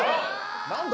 何だ？